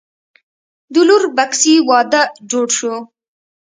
د لور بسکي وادۀ جوړ شو